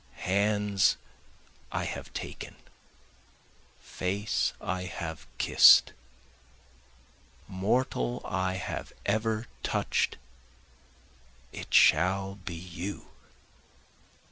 Hands I have taken, face I have kiss'd, mortal I have ever touch'd, it shall be you.